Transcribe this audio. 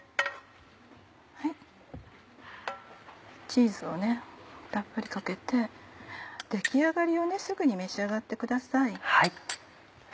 チーズをたっぷりかけて出来上がりをすぐに召し上がってください。